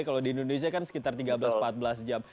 kalau di indonesia kan sekitar tiga belas empat belas jam